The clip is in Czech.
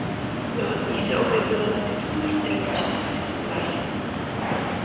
Mnoho z nich se objevilo na titulní straně časopisu "Life".